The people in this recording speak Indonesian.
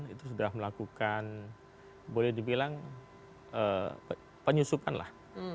itu sudah melakukan boleh dibilang penyusupan lah